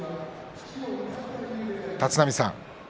立浪さん